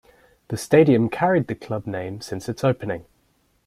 The stadium carried the club name since its opening.